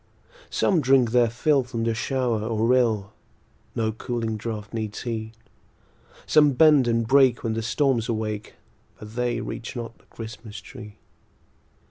Some drink their fill from the shower or rill; No cooling draught needs he; Some bend and break when the storms awake, But they reach not the Christmas tree.